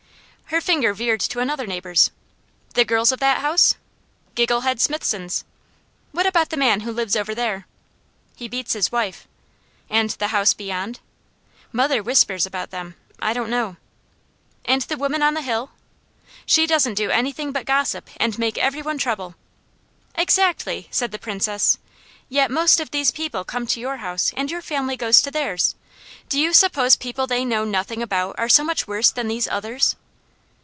Her finger veered to another neighbour's. "The girls of that house?" "Giggle head Smithsons." "What about the man who lives over there?" "He beats his wife." "And the house beyond?" "Mother whispers about them. I don't know." "And the woman on the hill?" "She doesn't do anything but gussip and make every one trouble." "Exactly!" said the Princess. "Yet most of these people come to your house, and your family goes to theirs. Do you suppose people they know nothing about are so much worse than these others?"